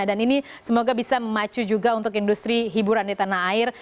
dan ini semoga bisa memacu juga untuk industri hiburan di tanah air